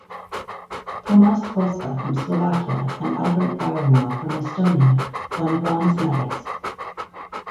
Tomas Kosa from Slovakia and Albert Baranov from Estonia won bronze medals.